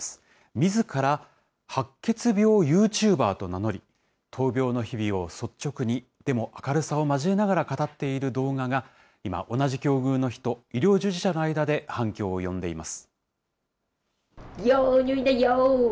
みずから白血病ユーチューバーと名乗り、闘病の日々を率直に、でも明るさを交えながら語っている動画が、今、同じ境遇の人、医療従事者の間で反響を呼んでいます。